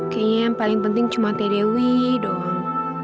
kayaknya yang paling penting cuma teh dewi doang